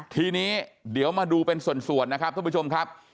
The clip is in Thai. ทีนี้เดี๋ยวมาดูเป็นส่วนนะครับท่านผู้ชมครับ